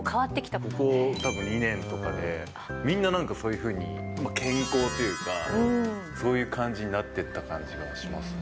ここ２年とかで、みんななんか、そういうふうに健康というか、そういう感じになってった感じはしますね。